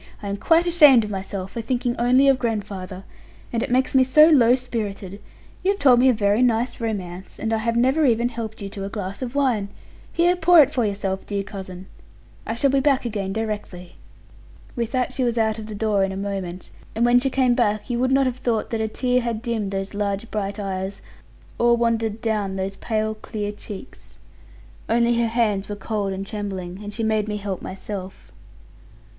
I am quite ashamed of myself for thinking only of grandfather: and it makes me so low spirited. You have told me a very nice romance, and I have never even helped you to a glass of wine. Here, pour it for yourself, dear cousin; I shall be back again directly.' With that she was out of the door in a moment; and when she came back, you would not have thought that a tear had dimmed those large bright eyes, or wandered down those pale clear cheeks. Only her hands were cold and trembling: and she made me help myself.